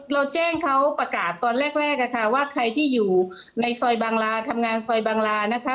เราแจ้งเขาประกาศตอนแรกนะคะว่าใครที่อยู่ในซอยบางลาทำงานซอยบางลานะคะ